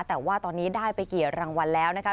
แต่ว่าตอนนี้ได้ไปกี่รางวัลแล้วนะคะ